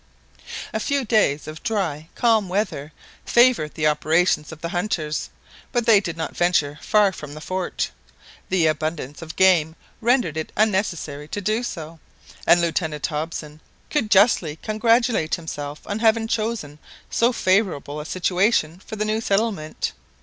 A few days of dry calm weather favoured the operations of the hunters, but they did not venture far from the fort; the abundance of game rendered it unnecessary to do so, and Lieutenant Hobson could justly congratulate himself on having chosen so favourable a situation for the new settlement.